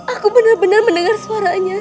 aku benar benar mendengar suaranya